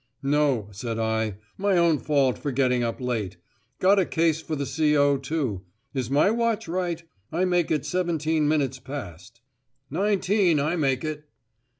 "No," said I. "My own fault for getting up late. Got a case for the C.O. too. Is my watch right? I make it seventeen minutes past." "Nineteen, I make it."